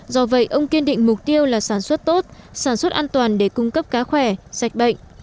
do vậy ông kiên định mục tiêu là sản xuất tốt sản xuất an toàn để cung cấp cá khỏe sạch bệnh